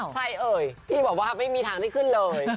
เอ่ยพี่บอกว่าไม่มีทางได้ขึ้นเลย